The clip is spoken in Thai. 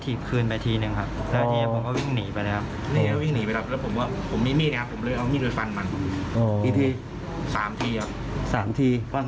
แต่ที่เหลือก็ไม่ได้ช่วยมัน